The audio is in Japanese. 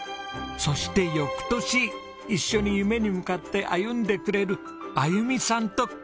そして翌年一緒に夢に向かって歩んでくれるあゆみさんと結婚。